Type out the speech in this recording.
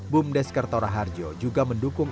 bumdes kertora harjo juga mendukung